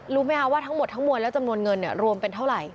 รู้ไหมคะว่าทั้งหมดทั้งมวลและจำนวนเงินรวมเป็นเท่าไหร่